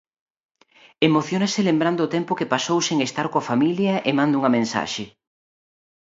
Emociónase lembrando o tempo que pasou sen estar coa familia e manda unha mensaxe.